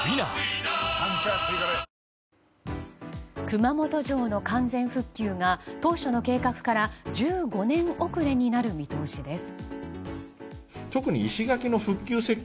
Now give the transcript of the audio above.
熊本城の完全復旧が当初の計画から１５年遅れになる見通しです。